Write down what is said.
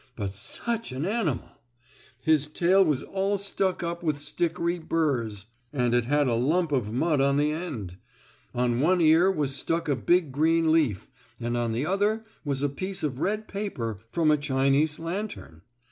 But such an animal! His tail was all stuck up with stickery burrs, and it had a lump of mud on the end. On one ear was stuck a big green leaf, and on the other ear was a piece of red paper from a Chinese lantern.